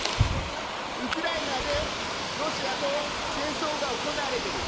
ウクライナでロシアと戦争が行われている。